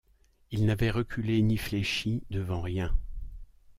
Il n’avait reculé ni fléchi devant rien.